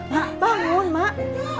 mak bangun mak